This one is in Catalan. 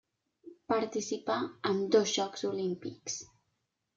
Participà en dos Jocs Olímpics.